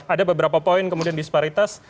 ada beberapa poin kemudian disparitas